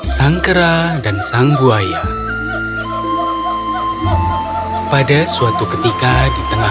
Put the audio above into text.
dia berbicara pada dirinya